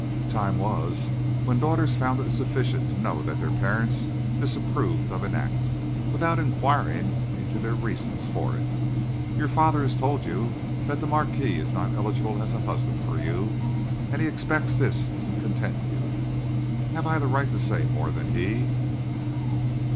"Time was when daughters found it sufficient to know that their parents disapproved of an act, without inquiring into their reasons for it. Your father has told you that the marquis is not eligible as a husband for you, and he expects this to content you. Have I the right to say more than he?"